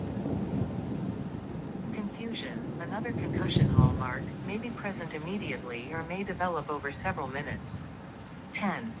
Confusion, another concussion hallmark, may be present immediately or may develop over several minutes.